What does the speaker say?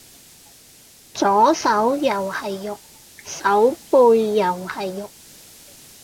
左手又係肉，手背又係肉